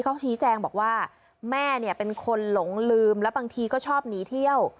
เขาชี้แจงบอกว่าแม่เนี่ยเป็นคนหลงลืมแล้วบางทีก็ชอบหนีเที่ยว